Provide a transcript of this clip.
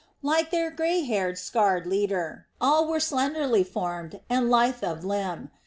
Like their grey haired, scarred leader, all were slenderly formed and lithe of limb.